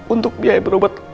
untuk biaya berobat